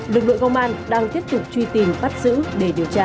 lực lượng công an đang tiếp tục truy tìm bắt giữ để điều tra